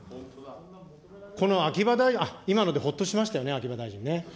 この秋葉大臣、今のでほっとしましたよね、秋葉大臣ね。